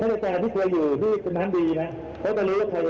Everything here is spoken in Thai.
ถ้าใจจานที่เคยอยู่ที่จะทำดีนะเขาจะรู้ว่าใครอะไร